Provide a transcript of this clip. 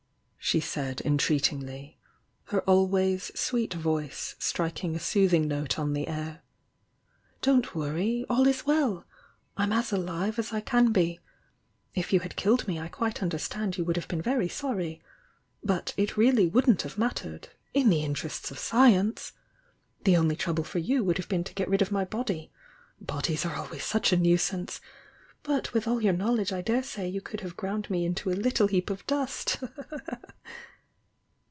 she said, entreatingly, her always sweet voice striking a soothing note on the air — "Don't worry! All is well! I'm as alive as I can be. If you had killed me I quite understand you would have been very sorry, — but it really wouldn't have mattered — in the interests of science! "The only trouble for you would have been to get rid of my body, — bodies are always such a nuisance! But with all your knowledge I daresay you could have ground me into a little heap of dust!"